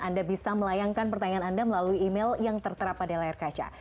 anda bisa melayangkan pertanyaan anda melalui email yang tertera pada layar kaca